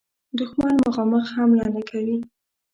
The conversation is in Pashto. دښمن مخامخ حمله نه کوي.